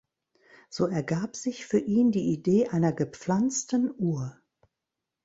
So ergab sich für ihn die Idee einer gepflanzten Uhr.